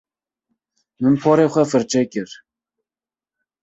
Min porê xwe firçe kir.